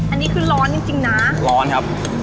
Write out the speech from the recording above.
อันนี้คือร้อนจริงนะร้อนครับ